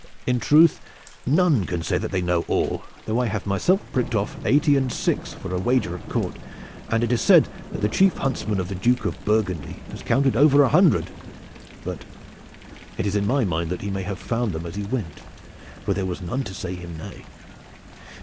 In truth none can say that they know all, though I have myself picked off eighty, and six for a wager at court, and it is said that the chief huntsman of the Duke of Burgundy has counted over a hundred but it is in my mind that he may have found them as he went, for there was none to say him nay.